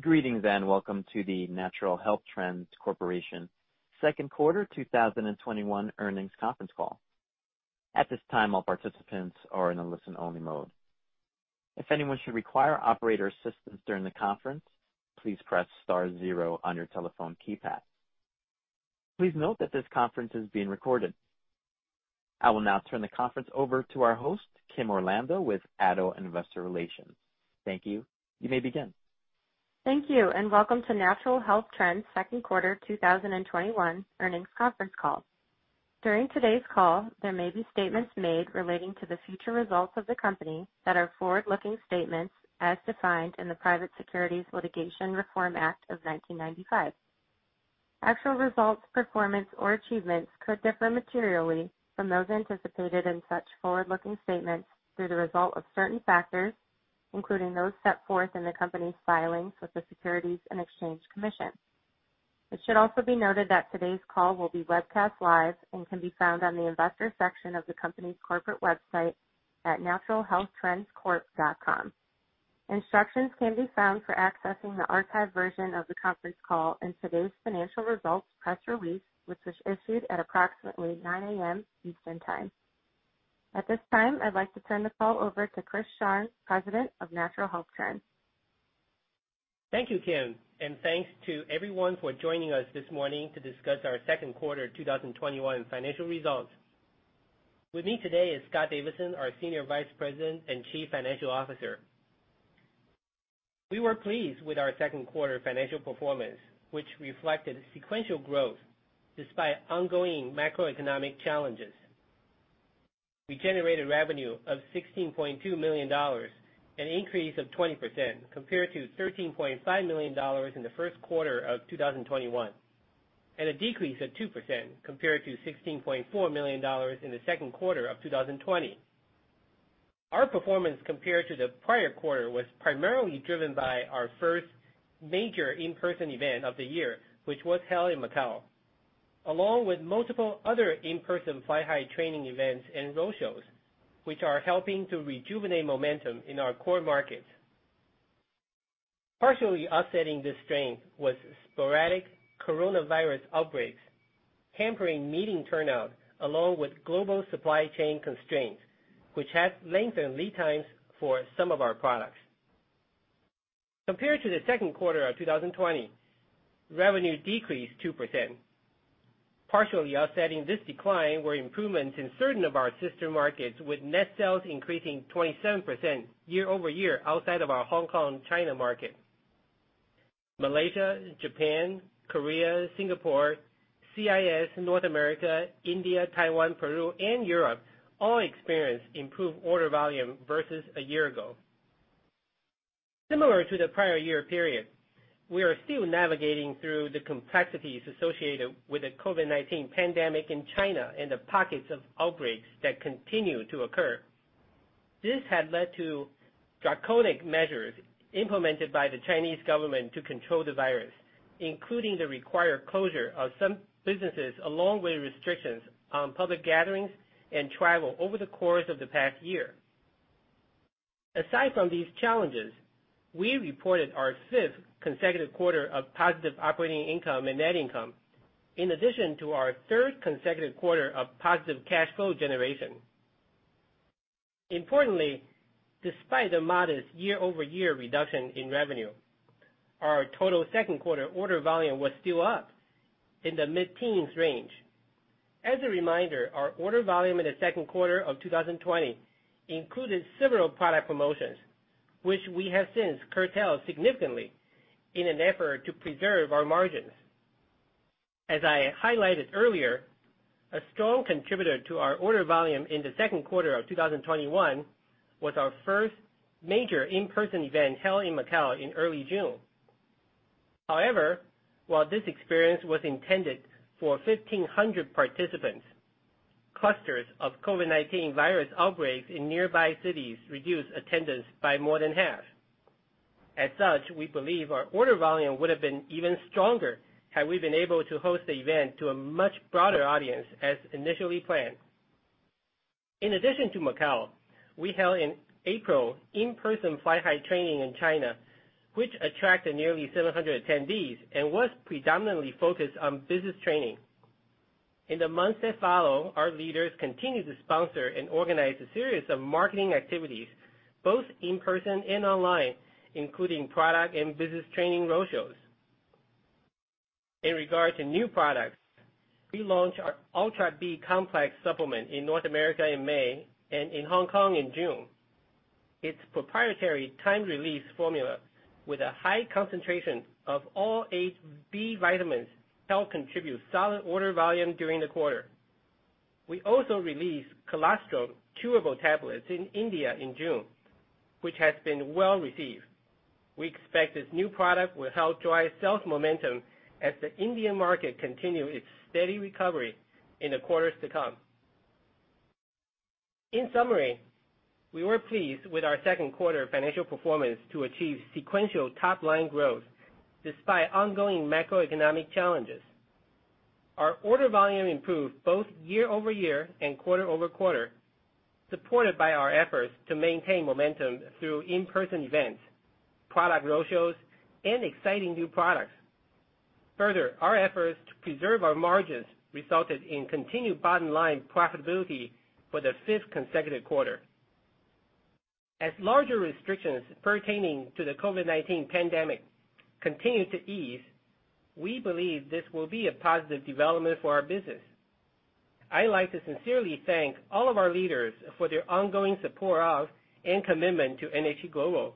Greetings, and welcome to the Natural Health Trends Corporation second quarter 2021 earnings conference call. At this time, all participants are in a listen-only mode. If anyone should require operator assistance during the conference, please press star zero on your telephone keypad. Please note that this conference is being recorded. I will now turn the conference over to our host, Kim Orlando with Addo Investor Relations. Thank you. You may begin. Thank you, and welcome to Natural Health Trends' second quarter 2021 earnings conference call. During today's call, there may be statements made relating to the future results of the company that are forward-looking statements as defined in the Private Securities Litigation Reform Act of 1995. Actual results, performance, or achievements could differ materially from those anticipated in such forward-looking statements due to the result of certain factors, including those set forth in the company's filings with the Securities and Exchange Commission. It should also be noted that today's call will be webcast live and can be found on the Investors section of the company's corporate website at naturalhealthtrendscorp.com. Instructions can be found for accessing the archived version of the conference call in today's financial results press release, which was issued at approximately 9:00 A.M. Eastern Time. At this time, I'd like to turn the call over to Chris Sharng, President of Natural Health Trends. Thank you, Kim. Thanks to everyone for joining us this morning to discuss our second quarter 2021 financial results. With me today is Scott Davidson, our Senior Vice President and Chief Financial Officer. We were pleased with our second quarter financial performance, which reflected sequential growth despite ongoing macroeconomic challenges. We generated revenue of $16.2 million, an increase of 20% compared to $13.5 million in the first quarter of 2021, and a decrease of 2% compared to $16.4 million in the second quarter of 2020. Our performance compared to the prior quarter was primarily driven by our first major in-person event of the year, which was held in Macau, along with multiple other in-person Fly High training events and roadshows, which are helping to rejuvenate momentum in our core markets. Partially offsetting this strength was sporadic coronavirus outbreaks hampering meeting turnout, along with global supply chain constraints, which has lengthened lead times for some of our products. Compared to the second quarter of 2020, revenue decreased 2%. Partially offsetting this decline were improvements in certain of our sister markets, with net sales increasing 27% year-over-year outside of our Hong Kong, China market. Malaysia, Japan, Korea, Singapore, CIS, North America, India, Taiwan, Peru, and Europe all experienced improved order volume versus a year ago. Similar to the prior year period, we are still navigating through the complexities associated with the COVID-19 pandemic in China and the pockets of outbreaks that continue to occur. This has led to draconian measures implemented by the Chinese government to control the virus, including the required closure of some businesses, along with restrictions on public gatherings and travel over the course of the past year. Aside from these challenges, we reported our fifth consecutive quarter of positive operating income and net income, in addition to our third consecutive quarter of positive cash flow generation. Importantly, despite the modest year-over-year reduction in revenue, our total second quarter order volume was still up in the mid-teens range. As a reminder, our order volume in the second quarter of 2020 included several product promotions, which we have since curtailed significantly in an effort to preserve our margins. As I highlighted earlier, a strong contributor to our order volume in the second quarter of 2021 was our first major in-person event held in Macau in early June. However, while this experience was intended for 1,500 participants, clusters of COVID-19 virus outbreaks in nearby cities reduced attendance by more than half. As such, we believe our order volume would have been even stronger had we been able to host the event to a much broader audience as initially planned. In addition to Macau, we held an April in-person Fly High training in China, which attracted nearly 700 attendees and was predominantly focused on business training. In the months that followed, our leaders continued to sponsor and organize a series of marketing activities, both in person and online, including product and business training roadshows. In regard to new products, we launched our Ultra B Complex supplement in North America in May and in Hong Kong in June. Its proprietary time-release formula with a high concentration of all 8 B vitamins helped contribute solid order volume during the quarter. We also released Colostrum chewable tablets in India in June, which has been well-received. We expect this new product will help drive sales momentum as the Indian market continue its steady recovery in the quarters to come. In summary, we were pleased with our second quarter financial performance to achieve sequential top-line growth despite ongoing macroeconomic challenges. Our order volume improved both year-over-year and quarter-over-quarter, supported by our efforts to maintain momentum through in-person events, product roadshows, and exciting new products. Further, our efforts to preserve our margins resulted in continued bottom-line profitability for the fifth consecutive quarter. As larger restrictions pertaining to the COVID-19 pandemic continue to ease, we believe this will be a positive development for our business. I'd like to sincerely thank all of our leaders for their ongoing support of and commitment to NHT Global.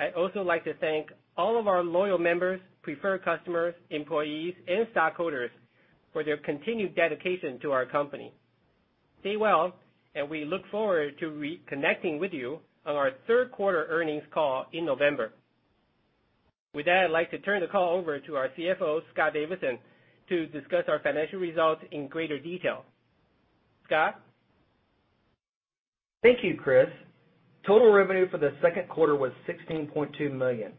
I'd also like to thank all of our loyal members, preferred customers, employees, and stockholders for their continued dedication to our company. Stay well, and we look forward to reconnecting with you on our third quarter earnings call in November. With that, I'd like to turn the call over to our CFO, Scott Davidson, to discuss our financial results in greater detail. Scott? Thank you, Chris. Total revenue for the second quarter was $16.2 million,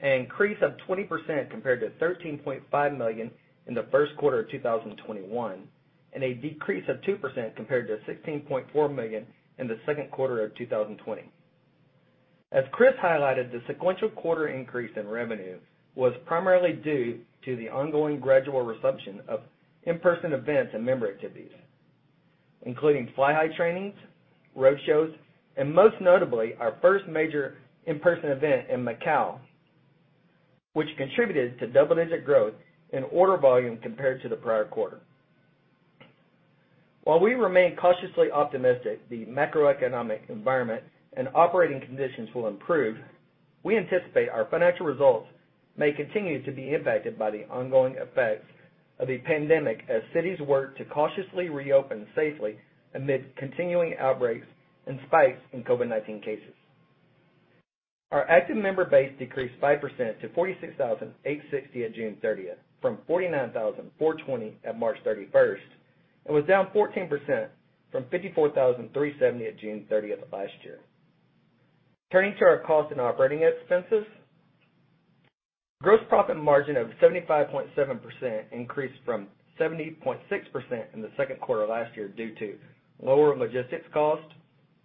an increase of 20% compared to $13.5 million in the first quarter of 2021, and a decrease of 2% compared to $16.4 million in the second quarter of 2020. As Chris highlighted, the sequential quarter increase in revenue was primarily due to the ongoing gradual resumption of in-person events and member activities, including Fly High trainings, roadshows, and most notably, our first major in-person event in Macau, which contributed to double-digit growth in order volume compared to the prior quarter. While we remain cautiously optimistic the macroeconomic environment and operating conditions will improve, we anticipate our financial results may continue to be impacted by the ongoing effects of the pandemic as cities work to cautiously reopen safely amid continuing outbreaks and spikes in COVID-19 cases. Our active member base decreased 5% to 46,860 at June 30th, from 49,420 at March 31st, and was down 14% from 54,370 at June 30th of last year. Turning to our cost and operating expenses, gross profit margin of 75.7% increased from 70.6% in the second quarter last year due to lower logistics cost,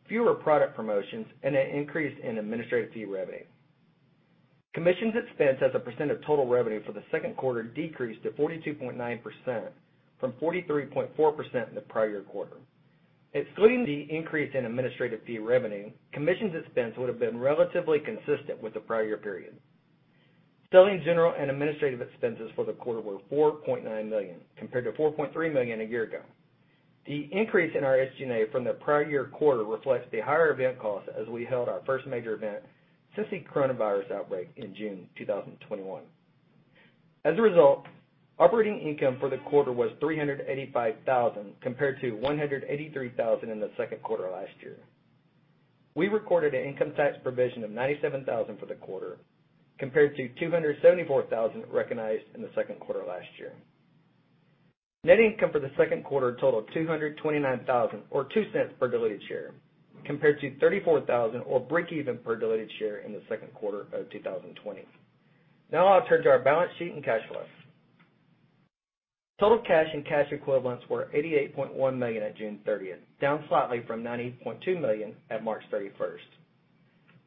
fewer product promotions, and an increase in administrative fee revenue. Commissions expense as a percent of total revenue for the second quarter decreased to 42.9% from 43.4% in the prior quarter. Excluding the increase in administrative fee revenue, commissions expense would've been relatively consistent with the prior year period. Selling general and administrative expenses for the quarter were $4.9 million, compared to $4.3 million a year ago. The increase in our SG&A from the prior year quarter reflects the higher event cost as we held our first major event since the COVID-19 outbreak in June 2021. As a result, operating income for the quarter was $385,000 compared to $183,000 in the second quarter last year. We recorded an income tax provision of $97,000 for the quarter compared to $274,000 recognized in the second quarter last year. Net income for the second quarter totaled $229,000 or $0.02 per diluted share, compared to $34,000 or breakeven per diluted share in the second quarter of 2020. I'll turn to our balance sheet and cash flows. Total cash and cash equivalents were $88.1 million at June 30th, down slightly from $90.2 million at March 31st.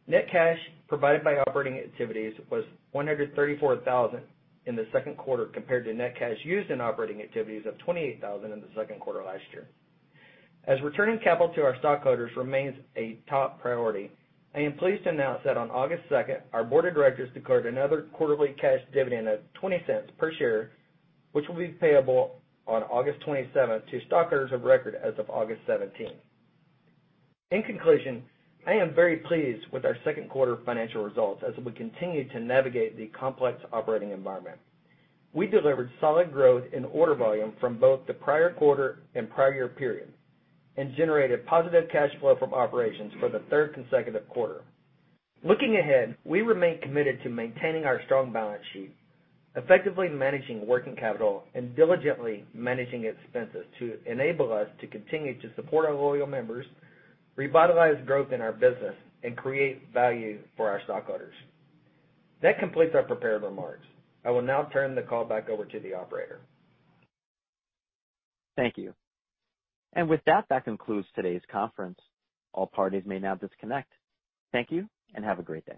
Net cash provided by operating activities was $134,000 in the second quarter compared to net cash used in operating activities of $28,000 in the second quarter last year. As returning capital to our stockholders remains a top priority, I am pleased to announce that on August 2nd, our Board of Directors declared another quarterly cash dividend of $0.20 per share, which will be payable on August 27th to stockholders of record as of August 17th. In conclusion, I am very pleased with our second quarter financial results as we continue to navigate the complex operating environment. We delivered solid growth in order volume from both the prior quarter and prior year period, and generated positive cash flow from operations for the third consecutive quarter. Looking ahead, we remain committed to maintaining our strong balance sheet, effectively managing working capital, and diligently managing expenses to enable us to continue to support our loyal members, revitalize growth in our business, and create value for our stockholders. That completes our prepared remarks. I will now turn the call back over to the operator. Thank you. With that concludes today's conference. All parties may now disconnect. Thank you and have a great day.